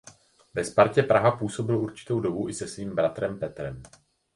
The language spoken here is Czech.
Ve Spartě Praha působil určitou dobu i se svým bratrem Petrem.